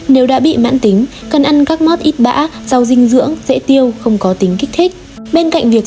nếu đã bị mãn tính cần ăn các mất ít bã rau dinh dưỡng dễ tiêu không có tính kích thích